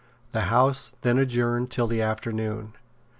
The House then adjourned till the afternoon.